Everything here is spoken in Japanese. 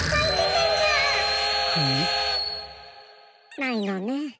ないのね。